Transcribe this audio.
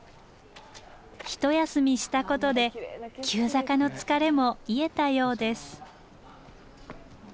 一休みしたことで急坂の疲れも癒えたようです。